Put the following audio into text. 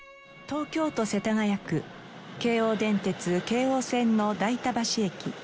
東京都世田谷区京王電鉄京王線の代田橋駅。